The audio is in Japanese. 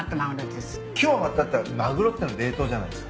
今日揚がったってマグロってのは冷凍じゃないですか。